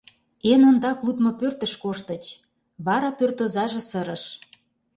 Эн ондак лудмо пӧртыш коштыч, вара пӧрт озаже сырыш: